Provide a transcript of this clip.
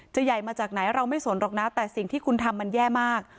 ใหญ่มาจากไหนเราไม่สนหรอกนะแต่สิ่งที่คุณทำมันแย่มาก